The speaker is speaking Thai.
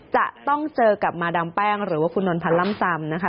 จะต้องเจอกับมาดามแป้งหรือว่าคุณนนพันธ์ล่ำซำนะคะ